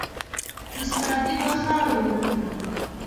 استادي به خاوري وکړې